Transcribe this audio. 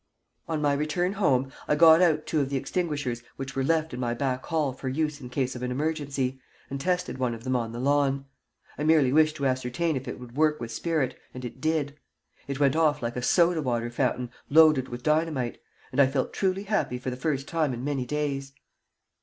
On my return home I got out two of the extinguishers which were left in my back hall for use in case of an emergency, and tested one of them on the lawn. I merely wished to ascertain if it would work with spirit, and it did; it went off like a sodawater fountain loaded with dynamite, and I felt truly happy for the first time in many days.